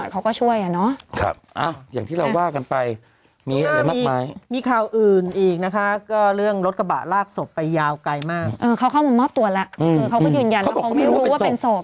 ค่ะก็เรื่องรถกระบะลากศพไปยาวไกลมากเขาเข้ามามอบตัวแล้วเขาก็ยืนยันแล้วเขาไม่รู้ว่าเป็นศพ